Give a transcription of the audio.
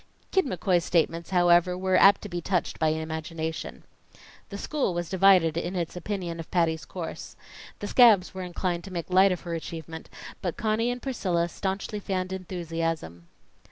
Kid McCoy's statements, however, were apt to be touched by imagination. The school was divided in its opinion of Patty's course. The scabs were inclined to make light of her achievement, but Conny and Priscilla staunchly fanned enthusiasm.